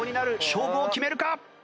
勝負を決めるか？